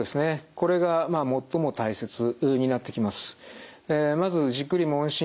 これが最も大切になってきます。